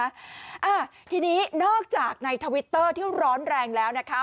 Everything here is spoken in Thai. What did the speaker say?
อ่าทีนี้นอกจากในทวิตเตอร์ที่ร้อนแรงแล้วนะคะ